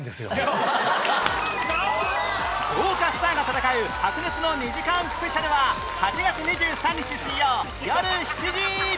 豪華スターが戦う白熱の２時間スペシャルは８月２３日水曜よる７時